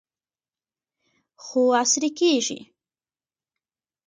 خو عصري کیږي.